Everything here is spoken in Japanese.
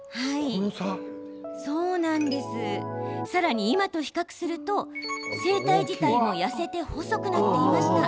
さらに今と比較すると声帯自体も痩せて細くなっていました。